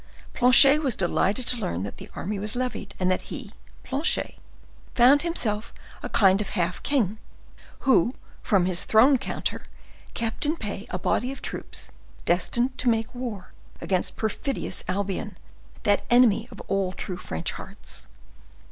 Planchet was delighted to learn that the army was levied, and that he (Planchet) found himself a kind of half king, who from his throne counter kept in pay a body of troops destined to make war against perfidious Albion, that enemy of all true French hearts.